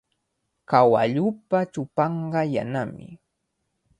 Kawalluupa chupanqa yanami.